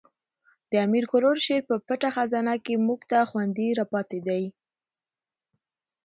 د امیر کروړ شعر په پټه خزانه کښي موږ ته خوندي را پاتي دي.